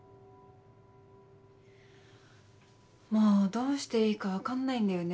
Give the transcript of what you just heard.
もうどうしていいか分かんないんだよね。